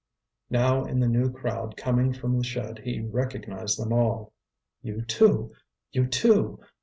Now in the new crowd coming from the shed he recognized them all. "You too! you too!